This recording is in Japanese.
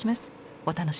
お楽しみに。